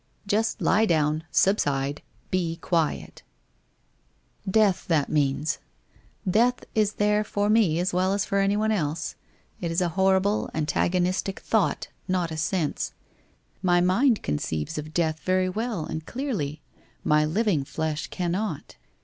Just lie down, subside, be quiet !' Death, that means! Death is there for me as well as for anyone else. It is a horrible antagonistic thought, not a sense. My mind conceives of death very well and clearly, my living flesh cannot.